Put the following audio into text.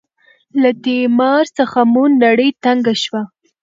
له تیمار څخه مو نړۍ تنګه شوه.